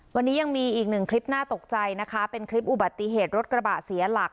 วันนี้ยังมีอีกหนึ่งคลิปน่าตกใจนะคะเป็นคลิปอุบัติเหตุรถกระบะเสียหลัก